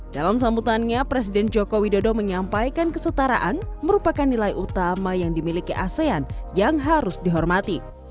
dalam sambutannya presiden joko widodo menyampaikan kesetaraan merupakan nilai utama yang dimiliki asean yang harus dihormati